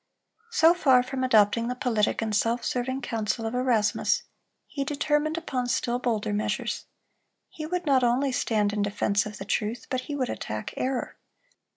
So far from adopting the politic and self serving counsel of Erasmus, he determined upon still bolder measures. He would not only stand in defense of the truth, but he would attack error.